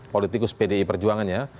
politikus pdi perjuangan ya